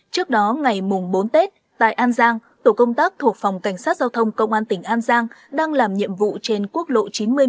trước đó ngày bốn tết tại an giang tổ công tác thuộc phòng cảnh sát giao thông công an tỉnh an giang đang làm nhiệm vụ trên quốc lộ chín mươi một